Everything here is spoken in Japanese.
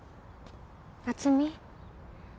夏美？